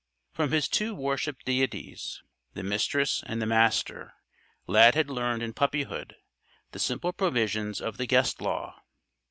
From his two worshipped deities the Mistress and the Master Lad had learned in puppyhood the simple provisions of the Guest Law.